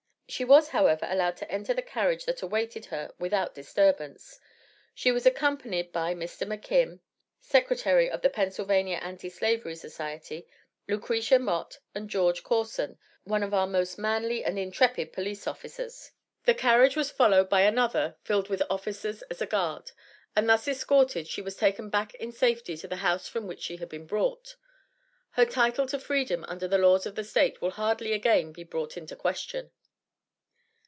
She was, however, allowed to enter the carriage that awaited her without disturbance. She was accompanied by Mr. McKim, Secretary of the Pennsylvania Anti Slavery Society, Lucretia Mott and George Corson, one of our most manly and intrepid police officers. The carriage was followed by another filled with officers as a guard; and thus escorted she was taken back in safety to the house from which she had been brought. Her title to Freedom under the laws of the State will hardly again be brought into question."